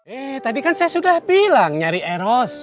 eh tadi kan saya sudah bilang nyari eros